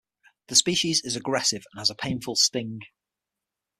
The species is aggressive and has a painful sting.